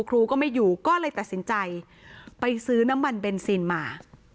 ครูก็ไม่อยู่ก็เลยตัดสินใจไปซื้อน้ำมันเบนซินมา